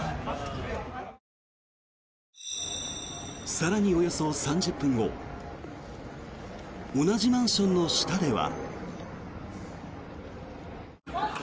更におよそ３０分後同じマンションの下では。